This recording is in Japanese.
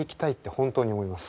本当に思います。